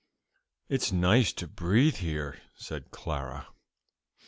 "It's nice to breathe here," said Clara.